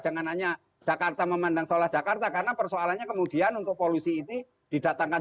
jangan hanya jakarta memandang seolah jakarta karena persoalannya kemudian untuk polusi ini didatangkan